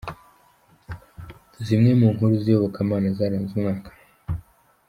Zimwe mu nkuru z’iyobokamana zaranze umwaka